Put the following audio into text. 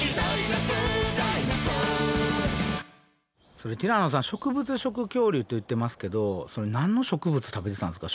それティラノさん植物食恐竜って言ってますけど何の植物食べてたんですか？